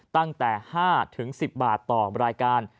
ตั้งแต่๕๑๐บาทต่อรายการ